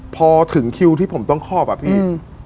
พอถึงคิวที่ผมต้องคอบอะพี่